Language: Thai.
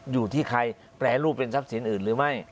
อยู่ที่ใครแปรรูปเป็นทรัพย์สินอื่นหรือไม่